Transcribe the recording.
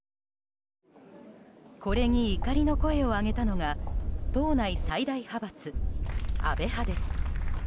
これに怒りの声を上げたのが党内最大派閥・安倍派です。